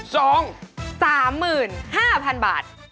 ๓หมื่น๕พันบาท